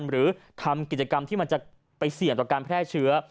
หรือทำกิจกรรมที่มันจะไปเสี่ยงต่อการแพร่เชื้อ